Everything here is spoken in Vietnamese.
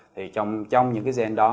thì trong những cái gen đó